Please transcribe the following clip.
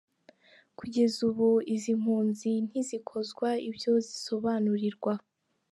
Kugeza ubu izi mpunzi ntizikozwa ibyo zisobanurirwa.